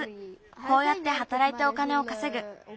こうやってはたらいてお金をかせぐ。